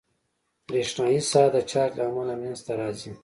برېښنایي ساحه د چارج له امله منځته راځي.